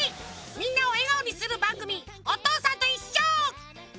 みんなをえがおにするばんぐみ「おとうさんといっしょ」！